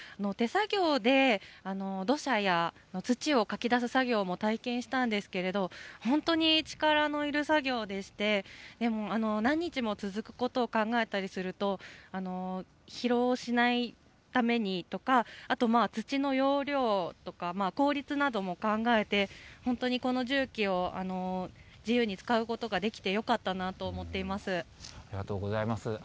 手作業で土砂や土をかき出す作業も体験したんですけれど、本当に力のいる作業でして、もう何日も続くことを考えたりすると、疲労しないためにとか、あと土の容量とか、効率なども考えて、本当にこの重機を自由に使うことができてよかったなと思っていまありがとうございます。